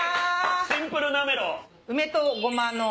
シンプルなめろう。